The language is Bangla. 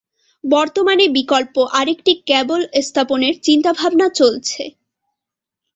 বর্তমানে বিকল্প আরেকটি ক্যাবল স্থাপনের চিন্তাভাবনা চলছে।